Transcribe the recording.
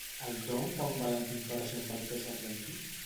El dong quant val en comparació amb el peso argentí?